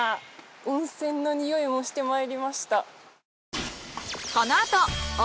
温泉の匂いもしてまいりました。